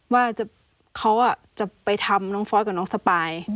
ว่าเขาจะไปทำน้องฟอสกับน้องสปาย